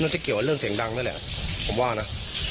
น่าจะเกี่ยวว่าเรื่องเสียงดังด้วยแหละผมว่านะ